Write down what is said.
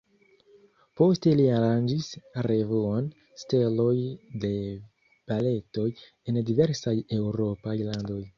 Poste li aranĝis revuon "Steloj de baletoj" en diversaj eŭropaj landoj.